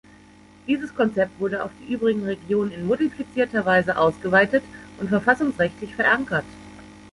Dieses Konzept wurde auf die übrigen Regionen in modifizierter Weise ausgeweitet und verfassungsrechtlich verankert.